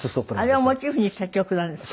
あれをモチーフにした曲なんですか？